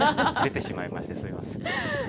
出てしまいましてすいません。